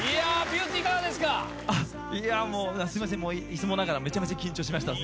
いつもながらめちゃめちゃ緊張しました。